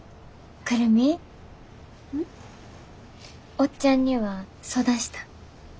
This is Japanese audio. おっちゃんには相談したん？